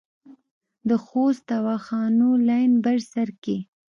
د خوست دواخانو لین بر سر کې